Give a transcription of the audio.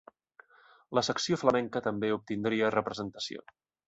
La secció flamenca també obtindria representació.